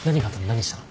何したの？